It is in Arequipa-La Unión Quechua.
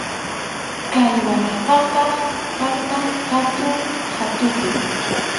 Kay barracaqa karqan hatun qhatupi.